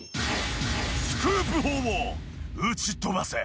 スクープ砲を撃ち飛ばせ！